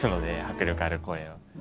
迫力ある声を。